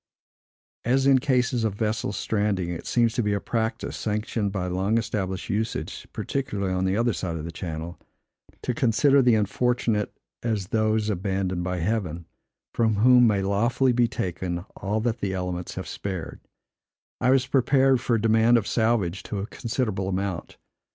As in cases of vessels stranding, it seems to be a practice, sanctioned by long established usage (particularly on the other side of the channel), to consider the unfortunate as those abandoned by Heaven, from whom may lawfully be taken all that the elements have spared, I was prepared for a demand of salvage to a considerable amount.